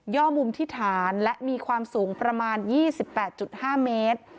่อมุมที่ฐานและมีความสูงประมาณ๒๘๕เมตร